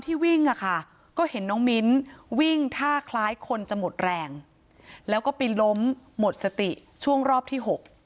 วิ่งอะค่ะก็เห็นน้องมิ้นวิ่งท่าคล้ายคนจะหมดแรงแล้วก็ไปล้มหมดสติช่วงรอบที่๖